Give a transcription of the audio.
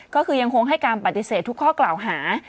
ก็คือยังคงให้การปฏิเสธทุกข้อกล่าวหา